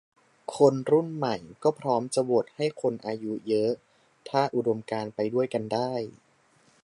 คนรุ่นใหม่ก็พร้อมจะโหวตให้คนอายุเยอะถ้าอุดมการณ์ไปด้วยกันได้